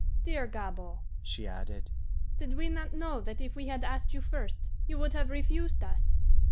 Dear Gabord," she added, "did we not know that if we had asked you first, you would have refused us?